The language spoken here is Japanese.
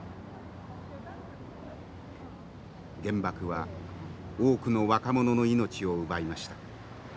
原爆は多くの若者の命を奪いました。